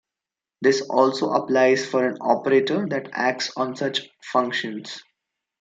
This also applies for an operator that acts on such functions.